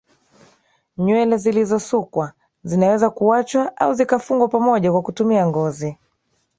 Nywele zilizosukwa zinaweza kuaachwa au zikafungwa pamoja kwa kutumia ngozi